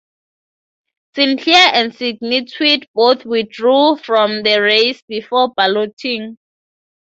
Sinclair and Sydney Tweed both withdrew from the race before balloting.